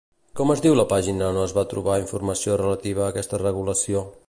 Com es diu la pàgina on es pot trobar informació relativa a aquesta regulació?